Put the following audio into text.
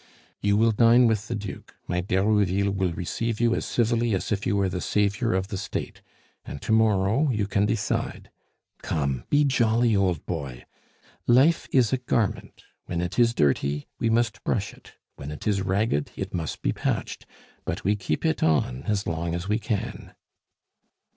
"You will dine with the Duke. My d'Herouville will receive you as civilly as if you were the saviour of the State; and to morrow you can decide. Come, be jolly, old boy! Life is a garment; when it is dirty, we must brush it; when it is ragged, it must be patched; but we keep it on as long as we can."